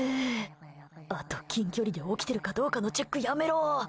あと近距離で起きているかどうかのチェックやめろ。